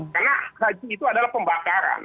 karena haji itu adalah pembakaran